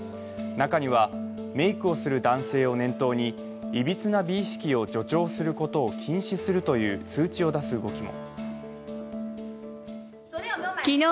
中にはメークをする男性を念頭にいびつな美意識を助長することを禁止するという通知を出す動きも。